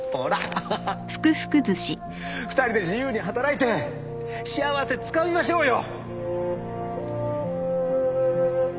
２人で自由に働いて幸せつかみましょうよ！